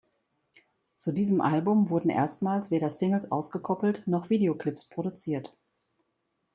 Zu diesem Album wurden erstmals weder Singles ausgekoppelt noch Video-Clips produziert.